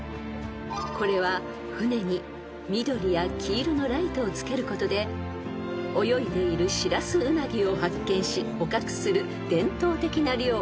［これは船に緑や黄色のライトをつけることで泳いでいるシラスウナギを発見し捕獲する伝統的な漁］